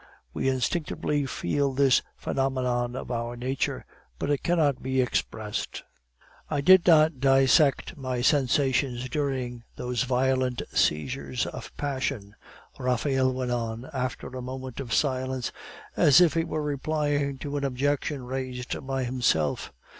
We instinctively feel this phenomenon of our nature, but it cannot be expressed. "I did not dissect my sensations during those violent seizures of passion," Raphael went on, after a moment of silence, as if he were replying to an objection raised by himself.